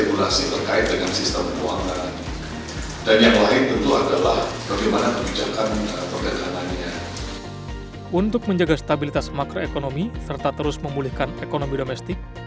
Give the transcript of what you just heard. untuk menjaga stabilitas makroekonomi serta terus memulihkan ekonomi domestik